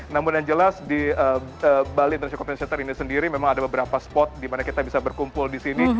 namun yang jelas di bali internatic compen center ini sendiri memang ada beberapa spot di mana kita bisa berkumpul di sini